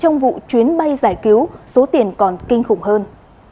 trong vụ chuyến bay giải cứu số tiền còn kinh khủng hơn